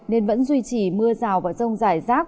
nên vẫn duy trì mưa rào và rông rải rác